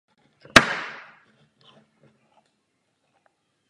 Rodiče žili skromně a vychovali více dětí.